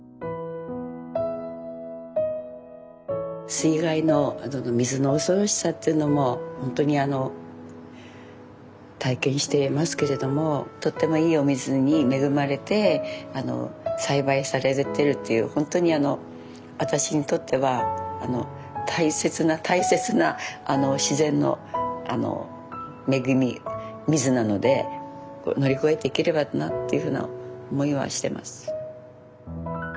水害の水の恐ろしさっていうのもほんとに体験していますけれどもとってもいいお水に恵まれて栽培されてるっていう本当に私にとっては大切な大切な自然の恵み水なので乗り越えていければなっていうふうな思いはしてます。